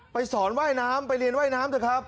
สอนว่ายน้ำไปเรียนว่ายน้ำเถอะครับ